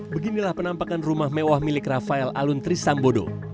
beginilah penampakan rumah mewah milik rafael aluntri sambodo